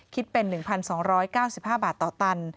คิดเป็น๑๒๙๕บาทต่อตัน